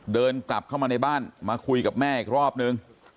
เดินกลับเข้ามาในบ้านมาคุยกับแม่อีกรอบนึง